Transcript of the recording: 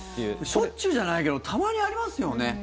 しょっちゅうじゃないけどたまにありますよね。